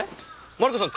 マリコさん